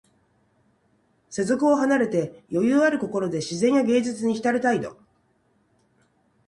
世俗を離れて、余裕ある心で自然や芸術にひたる態度。